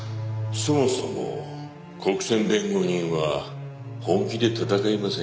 そもそも国選弁護人は本気で戦いませんよ。